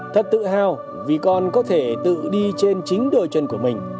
thật tự hào vì con có thể tự đi trên chính đôi chân của mình